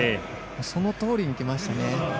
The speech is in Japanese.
そのとおりにきましたね。